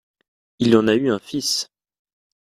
Il en a eu un fils.